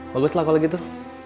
bagus lah kalau gitu